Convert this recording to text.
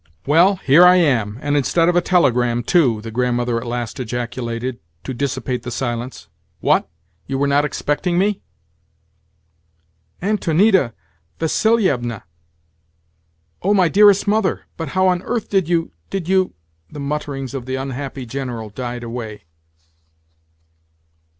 "Well, here I am—and instead of a telegram, too!" the Grandmother at last ejaculated, to dissipate the silence. "What? You were not expecting me?" "Antonida Vassilievna! O my dearest mother! But how on earth did you, did you—?" The mutterings of the unhappy General died away.